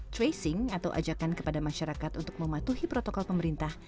tracing atau ajakan kepada masyarakat untuk mematuhi protokol pemerintah